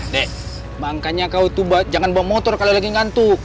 dek makanya kau tuh jangan bawa motor kalau lagi ngantuk